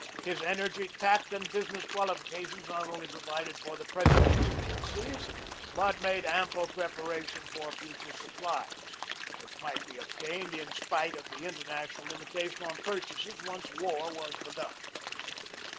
His energy, tact, and busi ness qualifications not only provided for the present exigencies, but made ample preparation for future FINAL PREPARATIONS FOR WAR 189 supplies which might be obtained in spite of the in ternational limitation on purchases once war was begun.